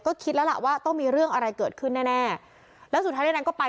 ก็คิดแล้วล่ะว่าต้องมีเรื่องอะไรเกิดขึ้นแน่แน่แล้วสุดท้ายในนั้นก็ไป